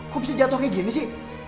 kok bisa jatuh kayak gini sih